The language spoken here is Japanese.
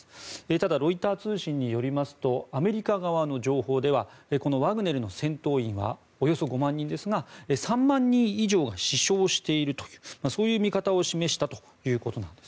ただ、ロイター通信によりますとアメリカ側の情報ではこのワグネルの戦闘員はおよそ５万人ですが３万人以上が死傷しているという見方を示したということです。